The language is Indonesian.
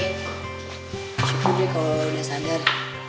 syukur deh kalau lo udah sadar